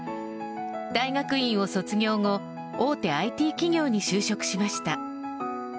大学院を卒業後大手ＩＴ企業に就職しました。